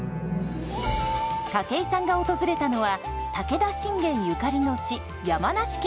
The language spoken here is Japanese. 筧さんが訪れたのは武田信玄ゆかりの地山梨県。